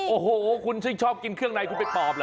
โอ้โหคุณชื่นชอบกินเครื่องในคุณไปปอบเหรอ